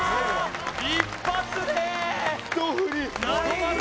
一発で！